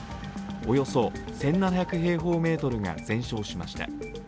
およそ１７００平方メートルが全焼しました。